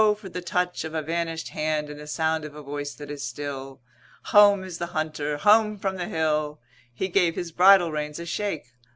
for the touch of a vanished hand and the sound of a voice that is still. Home is the hunter, home from the hill. He gave his bridle reins a shake.